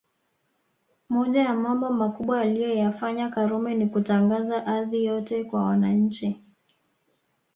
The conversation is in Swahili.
Moja ya Mambo makubwa aliyoyafanya Karume Ni kutangaza ardhi yote kwa wananchi